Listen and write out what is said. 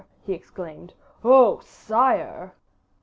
he exclaimed. "Oh, sire!"